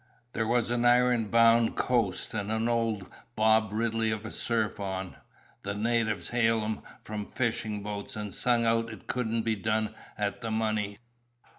There was an iron bound coast and an Old Bob Ridley of a surf on. The natives hailed 'em from fishing boats, and sung out it couldn't be done at the money.